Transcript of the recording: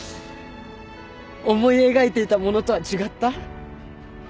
思い描いていたものとは違った？